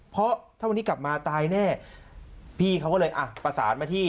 เพราะถ้าวันนี้กลับมาตายแน่พี่เขาก็เลยอ่ะประสานมาที่